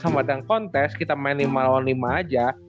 sama dengan kontes kita main lima lawan lima aja